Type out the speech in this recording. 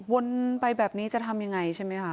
วนไปแบบนี้จะทำยังไงใช่ไหมคะ